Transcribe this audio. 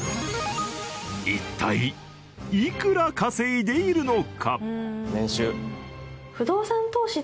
一体いくら稼いでいるのか？